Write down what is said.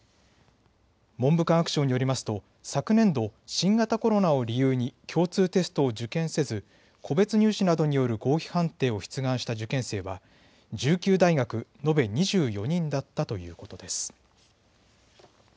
文部科学省によりますと昨年度、新型コロナを理由に共通テストを受験せず、個別入試などによる合否判定を出願した受験生は１９大学、延べ２４人だったということです。